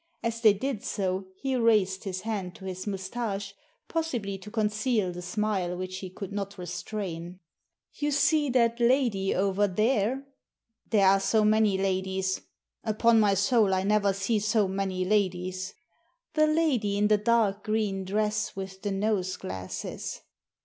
As they did so he raised his hand to his moustache, possibly to conceal the smile which he could not restrain. " You see that lady over there ?"*' There are so many ladies. Upon my soul, I never see so many ladies." " The lady in the dark green dress with the nose glasses."